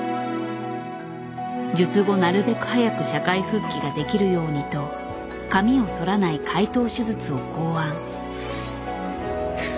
術後なるべく早く社会復帰ができるようにと髪をそらない開頭手術を考案。